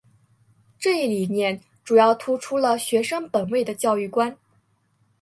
这一理念主要突出了学生本位的教育观。